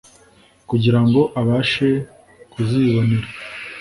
kugira ngo abashe kuzibonera